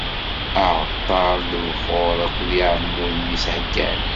Aɛalṭar n lebxuṛ akked yeɛmuden-is heggan.